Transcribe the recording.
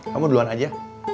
kamu duluan aja